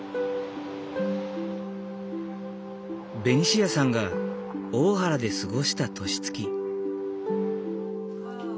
ベニシアさんが大原で過ごした年月。